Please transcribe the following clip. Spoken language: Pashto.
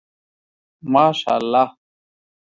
ماشاءالله